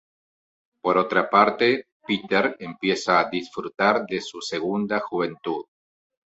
Por otra parte, Peter empieza a disfrutar de su segunda juventud.